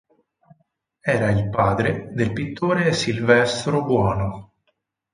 Era il padre del pittore Silvestro Buono.